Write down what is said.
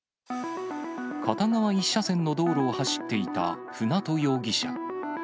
片側１車線の道路を走っていた舟渡容疑者。